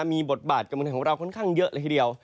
มีบทบาทของเราค่อนข้างเยอะเลยทีเดียว